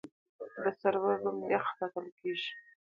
دا سرور روم یخ ساتل کېږي.